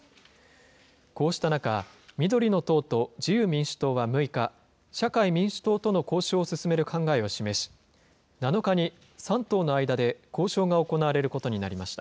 こうした中、緑の党と自由民主党は６日、社会民主党との交渉を進める考えを示し、７日に３党の間で交渉が行われることになりました。